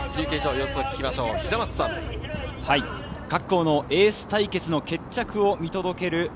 各校のエース対決の決着を見届ける